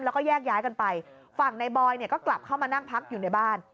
แล้วก็แยกย้ายกันไปฝั่งในบอยเนี่ยก็กลับเข้ามานั่งพักอยู่ในบ้าน